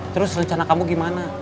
terus rencana kamu gimana